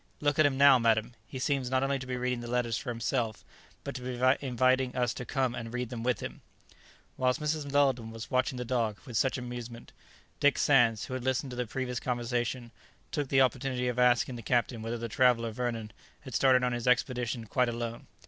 Look at him now, madam! he seems not only to be reading the letters for himself, but to be inviting us to come and read them with him." Whilst Mrs. Weldon was watching the dog with much amusement, Dick Sands, who had listened to the previous conversation, took the opportunity of asking the captain whether the traveller Vernon had started on his expedition quite alone.